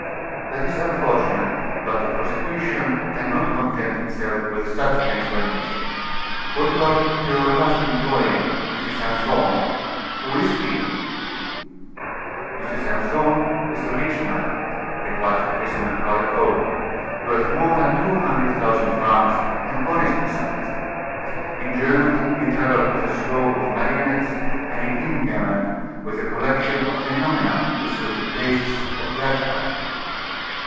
"That is unfortunate, but the prosecution can not content itself with such an explanation. What about your last employer, M. Simpson? Who is he?" "M. Simpson is a rich man," replied the prisoner, rather coldly, "worth more than two hundred thousand francs, and honest besides. In Germany he traveled with a show of marionettes, and in England with a collection of phenomena to suit the tastes of that country."